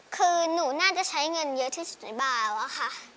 คือหนูน่าจะใช้เงินเยอะที่สุดในเบาอะค่ะ